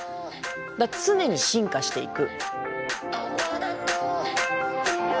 常に進化していく。